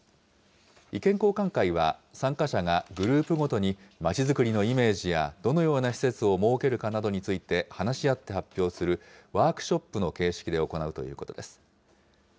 意見交換会は、参加者がグループごとにまちづくりのイメージやどのような施設を設けるかなどについて話し合って発表するワークショップの形式で行うということです。